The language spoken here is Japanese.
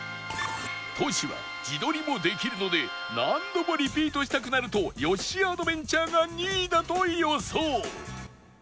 トシは自撮りもできるので何度もリピートしたくなるとヨッシー・アドベンチャーが２位だと予想